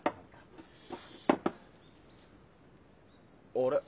あれ？